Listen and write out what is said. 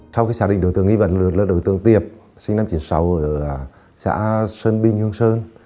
sau khi xác định đối tượng nghi vấn lượt là đối tượng tiệp sinh năm một nghìn chín trăm chín mươi sáu ở xã sơn binh hương sơn